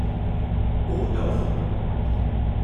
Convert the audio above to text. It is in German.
Oh doch!